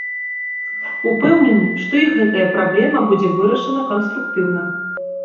Упэўнены, што і гэтая праблема будзе вырашана канструктыўна.